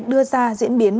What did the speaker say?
đưa ra diễn biến